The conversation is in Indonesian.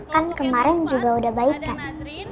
kan kemarin juga udah baik kan